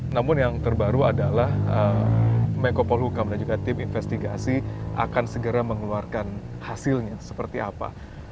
namun yang terbaru adalah menko polhukam dan juga tim investigasi akan segera mengeluarkan hasilnya seperti apa